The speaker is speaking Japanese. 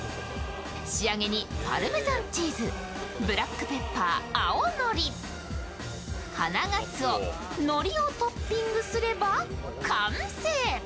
仕上げにパルメザンチーズ、ブラックペッパー、青のり、花鰹、のりをトッピングすれば完成。